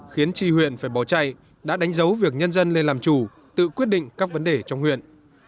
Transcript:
khiến tri huyện phải bỏ chạy đã đánh dấu việc nhân dân lên làm chủ tự quyết định các vấn đề trong huyện